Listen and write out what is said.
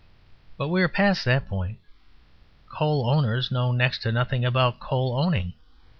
But we are past that point. Coal owners know next to nothing about coal owning.